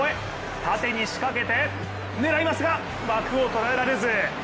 縦に仕掛けて狙いますが枠を捉えられず。